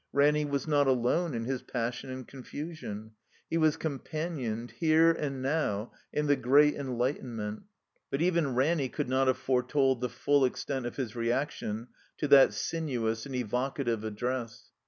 Ranny was not alone in his passion and confusion. He was companioned, here and now, in the great enlightenment. But even Ranny could not have foretold the full extent of his reaction to that sinuous and evocative Address.